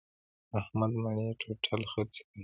احمد مڼې ټوټل خرڅې کړلې.